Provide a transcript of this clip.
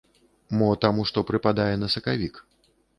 Мо таму што прыпадае на сакавік.